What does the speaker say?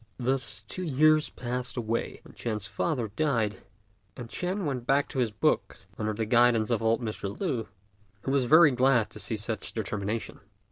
Thus two years passed away, when Ch'ên's father died, and Ch'ên went back to his books under the guidance of old Mr. Lü, who was very glad to see such determination.